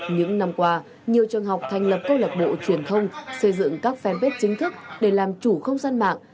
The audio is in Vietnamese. những năm qua nhiều trường học thành lập câu lạc bộ truyền thông xây dựng các fanpage chính thức để làm chủ không gian mạng